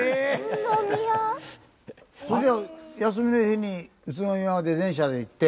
それじゃあ休みの日に宇都宮まで電車で行って。